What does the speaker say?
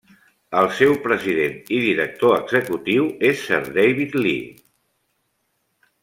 El seu president i director executiu és Sir David Li.